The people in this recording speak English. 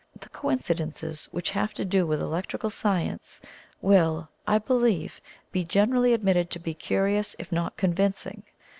The coincidences which have to do with electrical science will, I believe, be generally admitted to be curious if not convincing.